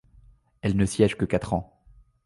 Elle ne siège que quatre ans.